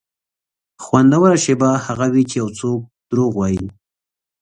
خوندوره شېبه هغه وي چې یو څوک دروغ وایي.